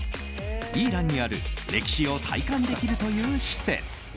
イーランにある歴史を体感できるという施設。